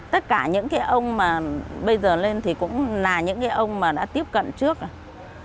tất cả những ông mà bây giờ lên thì cũng là những ông mà đã tiếp cận trước rồi